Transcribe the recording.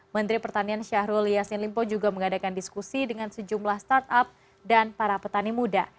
menteri pertanian syahrul yassin limpo juga mengadakan diskusi dengan sejumlah startup dan para petani muda